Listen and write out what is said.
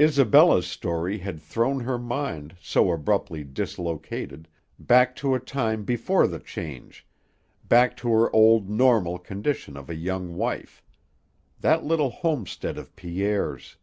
Isabella's story had thrown her mind, so abruptly dislocated, back to a time before the change, back to her old normal condition of a young wife. That little homestead of Pierre's!